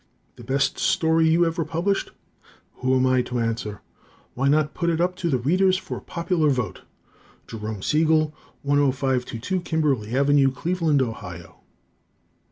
The best story you ever published? Who am I to answer? Why not put it up to the Readers for popular vote? Jerome Siegel, 10522 Kimberley Ave., Cleveland, Ohio.